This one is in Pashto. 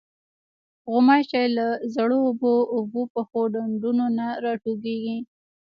غوماشې له زړو اوبو، اوبو پخو ډنډو نه راټوکېږي.